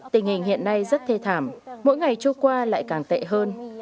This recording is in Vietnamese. tình hình hiện nay rất thê thảm mỗi ngày trôi qua lại càng tệ hơn